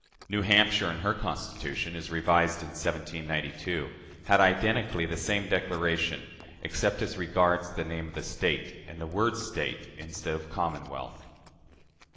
New Hampshire, in her Constitution, as revised in 1792, had identically the same declaration, except as regards the name of the State and the word "State" instead of "Commonwealth."